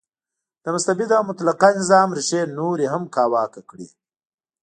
د مستبد او مطلقه نظام ریښې نورې هم کاواکه کړې.